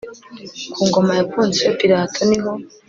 ku ngoma ya ponsiyo pilato, niho